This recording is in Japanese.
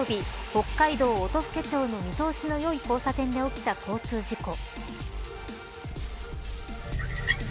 北海道音更町の見通しのよい交差点で起きた交通事故。